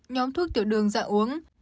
nhóm thuốc tiểu đường dạ uống